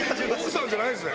奥さんじゃないんですか？